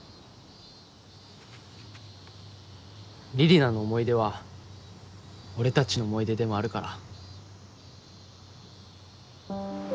李里奈の思い出は俺たちの思い出でもあるから。